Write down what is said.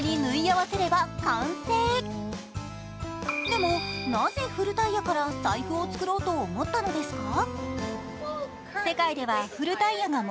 でも、なぜ古タイヤから財布を作ろうと思ったんですか？